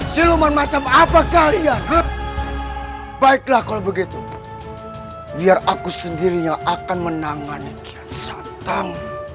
siluman macam apa kalian baiklah kalau begitu biar aku sendirinya akan menangani kian santan